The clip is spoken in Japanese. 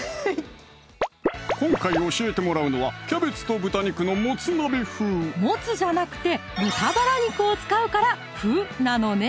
今回教えてもらうのは「キャベツと豚肉のもつ鍋風」もつじゃなくて豚バラ肉を使うから「風」なのね！